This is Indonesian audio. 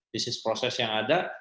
bisnis proses yang ada